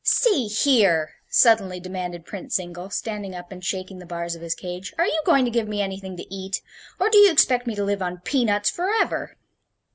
"See here," suddenly demanded Prince Zingle, standing up and shaking the bars of his cage, "are you going to give me anything to eat? Or do you expect me to live on peanuts forever?"